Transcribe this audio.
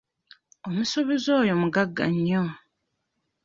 Omusuubuzi oyo mugagga nnyo.